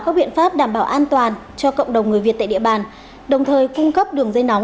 các biện pháp đảm bảo an toàn cho cộng đồng người việt tại địa bàn đồng thời cung cấp đường dây nóng